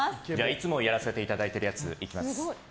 いつもやらせていただいてるやついきます。